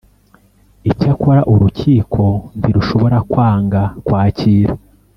Icyakora Urukiko ntirushobora kwanga kwakira